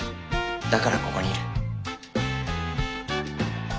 だからここにいる。